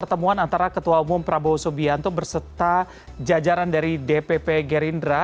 pertemuan antara ketua umum prabowo subianto berserta jajaran dari dpp gerindra